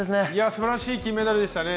すばらしい金メダルでしたね。